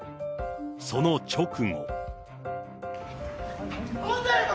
その直後。